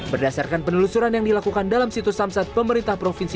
berdasarkan penelusuran yang dilakukan dalam situs samsat pemerintah provinsi